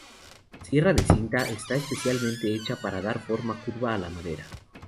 La sierra de cinta está especialmente hecha para dar forma curva a la madera.